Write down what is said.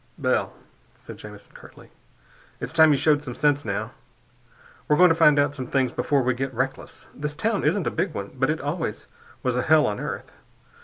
"Bell," said Jamison curtly, "it's time you showed some sense, now. We're going to find out some things before we get reckless. This town isn't a big one, but it always was a hell on earth.